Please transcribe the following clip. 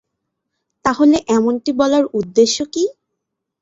তাহলে এমনটি বলার উদ্দেশ্য কী?